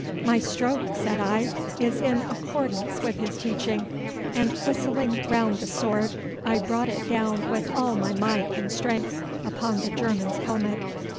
'My stroke,' said I, 'is in accordance with his teaching;' and, whistling round the sword, I brought it down with all my might and strength upon the German's helmet.